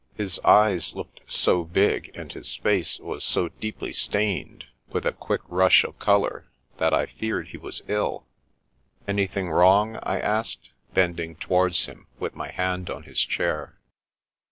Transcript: His eyes looked so big, and his face was so deeply stained with a quick rush of colour, that I feared he was ill. "Anything wrong?" I asked, bending towards him, with my hand on his chair.